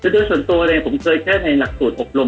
โดยส่วนตัวเลยผมเคยแค่ในหลักสูตรอบรม